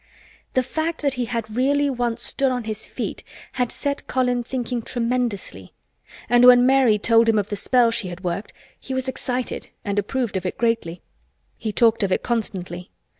The fact that he had really once stood on his feet had set Colin thinking tremendously and when Mary told him of the spell she had worked he was excited and approved of it greatly. He talked of it constantly.